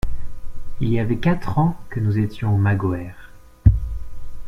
Il y avait quatre ans que nous étions au Magoër.